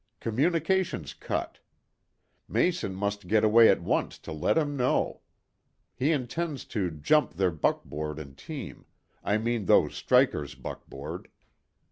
Communications cut. Mason must get away at once to let him know. He intends to 'jump' their buckboard and team I mean these strikers' buckboard."